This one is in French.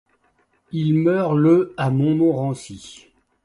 Il meurt le à Montmorency.